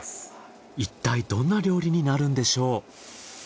いったいどんな料理になるんでしょう。